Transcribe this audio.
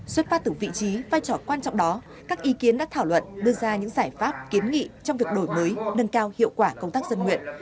xuất phát từ vị trí vai trò quan trọng đó các ý kiến đã thảo luận đưa ra những giải pháp kiến nghị trong việc đổi mới nâng cao hiệu quả công tác dân nguyện